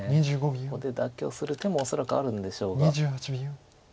ここで妥協する手も恐らくあるんでしょうが。